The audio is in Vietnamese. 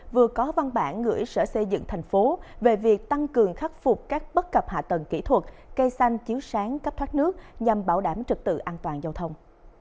vừa có văn bản gửi sở xây dựng thành phố về việc tăng cường khắc phục các bất cập hạ tầng kỹ thuật cây xanh chiếu sáng cấp thoát nước nhằm bảo đảm trực tự an toàn giao thông